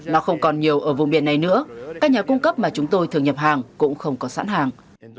nó không còn nhiều ở vùng biển này nữa các nhà cung cấp mà chúng tôi thường nhập hàng cũng không có sẵn hàng